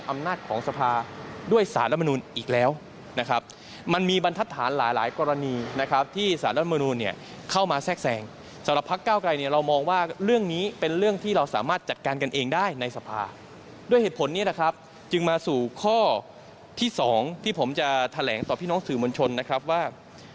มันจะแถลงต่อพี่น้องสื่อมวลชนนะครับว่า